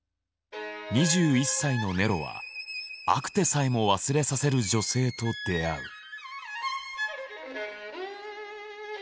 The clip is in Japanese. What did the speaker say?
２１歳のネロはアクテさえも忘れさせる女性と出会う。